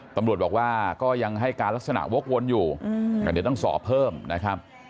ตำรวจบอกว่าก็ยังให้การลักษณะวกวนอยู่แต่เดี๋ยวต้องสอบเพิ่มนะครับ